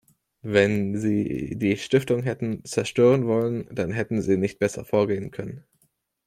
Wenn sie die Stiftung hätten zerstören wollen, dann hätten sie nicht besser vorgehen können.